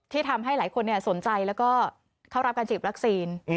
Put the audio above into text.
ทำให้หลายคนสนใจแล้วก็เข้ารับการฉีดวัคซีน